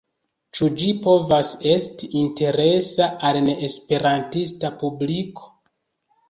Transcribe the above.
Ĉu ĝi povas esti interesa al neesperantista publiko?